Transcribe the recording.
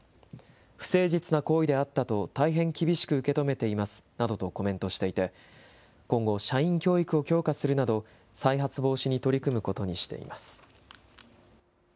不誠実な行為であったと大変厳しく受け止めていますなどとコメントしていて、今後、社員教育を強化するなど、再発防止に取り組むことにしています。